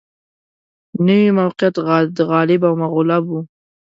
نوي موقعیت د غالب او مغلوب و